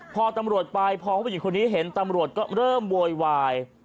พอผู้หญิงคนนี้เห็นตำรวจก็เริ่มโวยวาย